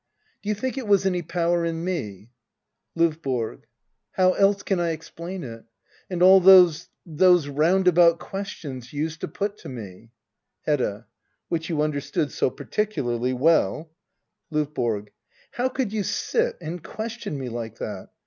Do you think it was any power in me ? LOVBORO. How else can I explain it ? And all those — those roundabout questions you used to put to me Hedda. Which you understood so particularly well LOVBORO. How could you sit and question me like that